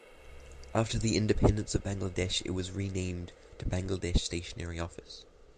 After the Independence of Bangladesh it was renamed to Bangladesh Stationery Office.